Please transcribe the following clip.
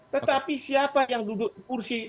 tetapi siapa yang duduk di kursi